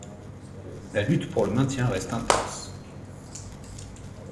La lutte pour le maintien reste intense.